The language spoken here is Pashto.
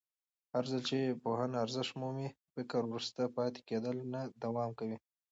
هرځل چې پوهنه ارزښت ومومي، فکري وروسته پاتې کېدل نه دوام کوي.